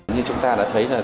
như chúng ta đã thấy là